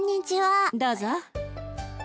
どうぞ。